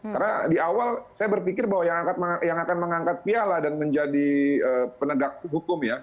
karena di awal saya berpikir bahwa yang akan mengangkat piala dan menjadi penegak hukum ya